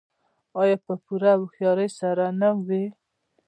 آیا په پوره هوښیارۍ سره نه وي؟